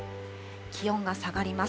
気温が下がります。